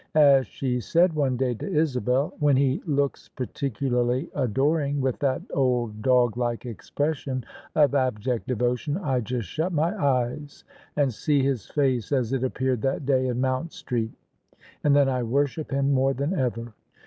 As she said one day to Isabel, "When he looks particularly adoring, with that old dog like expression of abject devotion, I just shut my eyes, and see his face as it appeared that day in Moimt Street: and then I worship him more than ever."